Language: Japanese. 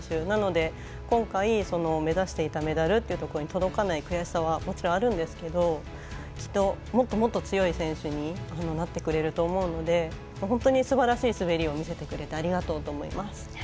なので、今回目指していたメダルっていうところに届かない悔しさはもちろんあるんですけどきっと、もっともっと強い選手になってくれると思うので本当にすばらしい滑りを見せてくれてありがとうと思います。